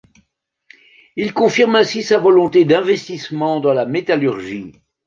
Il confirme ainsi sa volonté d'investissement dans la métallurgie.